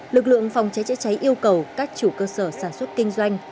lực lượng phòng cháy chữa cháy yêu cầu các chủ cơ sở sản xuất kinh doanh